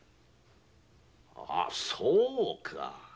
あそうか！